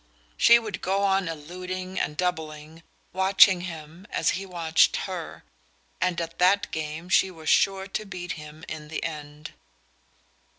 She would go on eluding and doubling, watching him as he watched her; and at that game she was sure to beat him in the end.